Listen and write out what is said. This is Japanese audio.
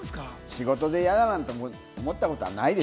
仕事で嫌だなんて思ったことないです。